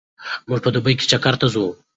موږ په دوبي کې چکر ته ځو.